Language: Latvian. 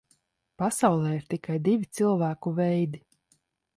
Pasaulē ir tikai divi cilvēku veidi.